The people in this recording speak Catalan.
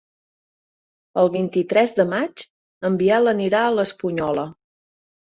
El vint-i-tres de maig en Biel anirà a l'Espunyola.